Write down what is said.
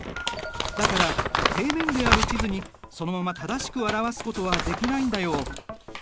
だから平面である地図にそのまま正しく表すことはできないんだよ。